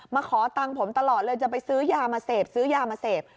ขอตังค์ผมตลอดเลยจะไปซื้อยามาเสพซื้อยามาเสพ